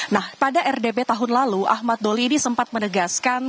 nah pada rdp tahun lalu ahmad doli ini sempat menegaskan